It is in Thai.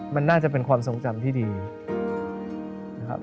มันน่าจะเป็นความทรงจำที่ดีนะครับ